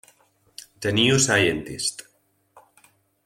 The New Scientist.